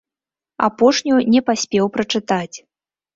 Апошнюю не паспеў прачытаць.